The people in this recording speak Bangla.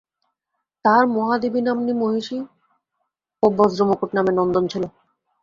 তাঁহার মহাদেবীনাম্নী মহিষী ও বজ্রমুকুট নামে নন্দন ছিল।